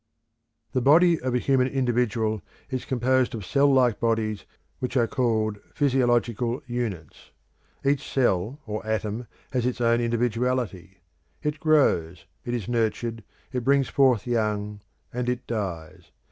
The body of a human individual is composed of cell like bodies which are called "physiological units." Each cell or atom has its own individuality; it grows, it is nurtured, it brings forth young, and it dies.